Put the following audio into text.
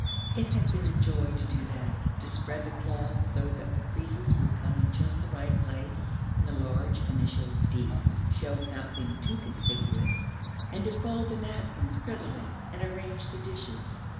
It had been a joy to do that, to spread the cloth so that the creases would come in just the right place, and the large initial 'D' show without being too conspicuous, and to fold the napkins prettily and arrange the dishes.